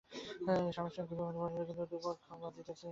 স্বামীর সঙ্গে বিবাদ বাধিল দাদার, কিন্তু দুইপক্ষ হইতে বাজিতেছে আমাকেই।